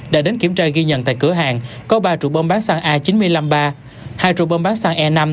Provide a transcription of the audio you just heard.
đã đến kiểm tra ghi nhận tại cửa hàng có ba trụ bông bán xăng a chín mươi năm ba hai trụ bông bán xăng e năm